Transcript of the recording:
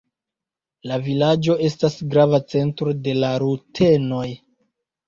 La vilaĝo estas grava centro de la rutenoj.